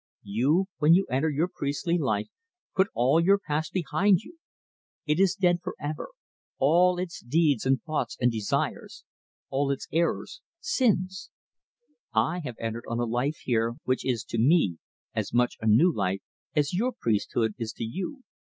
You, when you enter your priestly life, put all your past behind you. It is dead for ever: all its deeds and thoughts and desires, all its errors sins. I have entered on a life here which is to me as much a new life as your priesthood is to you.